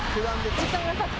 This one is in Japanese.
時間がたって。